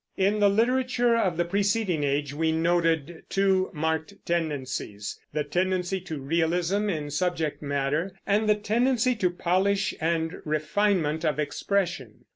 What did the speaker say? In the literature of the preceding age we noted two marked tendencies, the tendency to realism in subject matter, and the tendency to polish and refinement of expression.